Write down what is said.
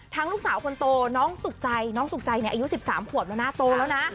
ทั้งสาวคนโตน้องสุขใจน้องสุขใจเนี่ยอายุ๑๓ขวดเมื่อน่าโตแล้วนะ